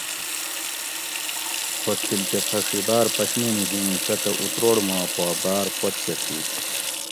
خو تھل کہ پھڛی باۤر پشمِنی ھی اُوں سہ تہ اتروڑ ما پا باۤر پت کہ تھی